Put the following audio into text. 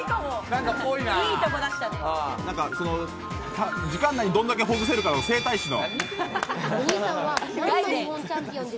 その時間内にどんだけほぐせるんだろう、整体師の。